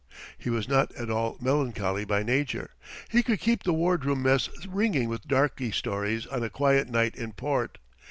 He was not at all melancholy by nature. He could keep the ward room mess ringing with darky stories on a quiet night in port.